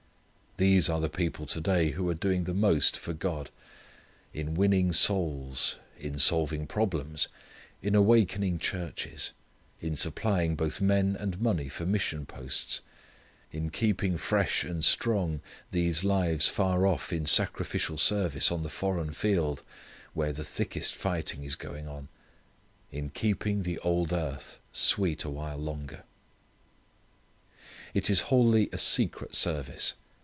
These are the people to day who are doing the most for God; in winning souls; in solving problems; in awakening churches; in supplying both men and money for mission posts; in keeping fresh and strong these lives far off in sacrificial service on the foreign field where the thickest fighting is going on; in keeping the old earth sweet awhile longer. It is wholly a secret service.